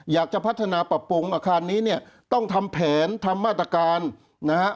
อยากจะพัฒนาปรับปรุงอาคารนี้เนี่ยต้องทำแผนทำมาตรการนะฮะ